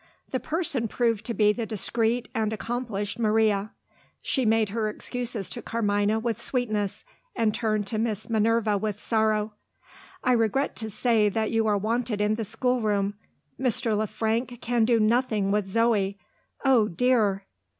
The person proved to be the discreet and accomplished Maria. She made her excuses to Carmina with sweetness, and turned to Miss Minerva with sorrow. "I regret to say that you are wanted in the schoolroom. Mr. Le Frank can do nothing with Zoe. Oh, dear!"